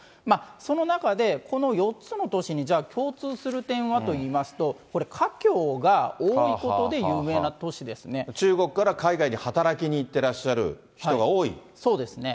その中で、この４つの都市にじゃあ、共通する点はといいますと、これ、華僑が多いことで有名な都市です中国から海外に働きに行ってそうですね。